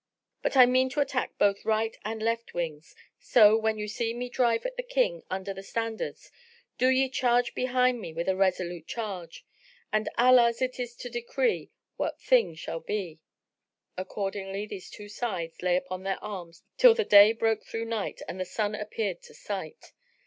But I mean to attack both right and left wings; so, when ye see me drive at the King under the standards, do ye charge behind me with a resolute charge, and Allah's it is to decree what thing shall be!" Accordingly the two sides lay upon their arms till the day broke through night and the sun appeared to sight.